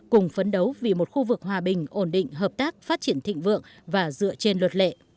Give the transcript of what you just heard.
cùng phấn đấu vì một khu vực hòa bình ổn định hợp tác phát triển thịnh vượng và dựa trên luật lệ